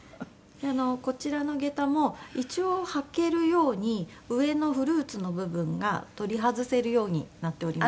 こちらの下駄も一応履けるように上のフルーツの部分が取り外せるようになっております。